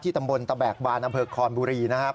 ที่ตำบลตะแบกบานอเผิกคอนบุรีนะครับ